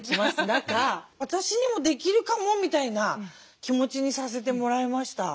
中「私にもできるかも」みたいな気持ちにさせてもらいました。